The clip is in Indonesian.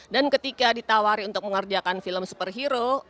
dan ketika ditawari untuk mengerjakan film superhero